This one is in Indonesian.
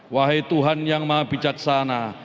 wahai tuhan yang maha bijaksana